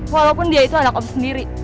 walaupun dia itu anak aku sendiri